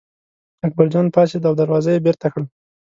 اکبرجان پاڅېد او دروازه یې بېرته کړه.